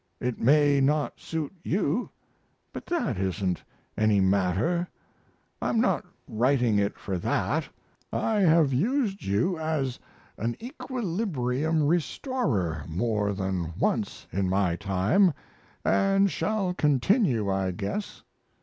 It may not suit you, but that isn't any matter; I'm not writing it for that. I have used you as an equilibrium restorer more than once in my time, & shall continue, I guess.